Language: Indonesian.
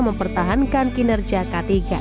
mempertahankan kinerja k tiga